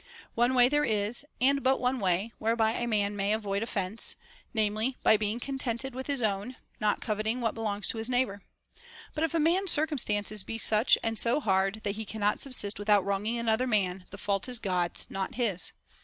One way there is, and but one way, whereby a man may avoid offence, namely by being con tented with his own, not coveting what belongs to his neighbor. But if a man's circumstances be such and so hard that he cannot subsist without wronging another man, the fault is God's, not his.